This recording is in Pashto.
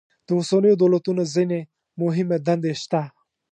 د اوسنیو دولتونو ځینې مهمې دندې شته.